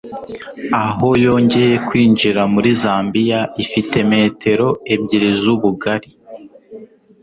aho yongeye kwinjira muri zambiya ifite metero ebyiriz'ubugari